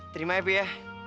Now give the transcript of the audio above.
terima epi ya